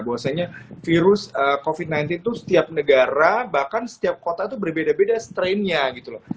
bahwasanya virus covid sembilan belas itu setiap negara bahkan setiap kota itu berbeda beda strainnya gitu loh